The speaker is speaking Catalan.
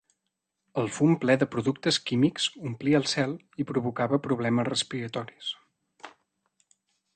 El fum ple de productes químics omplia el cel i provocava problemes respiratoris.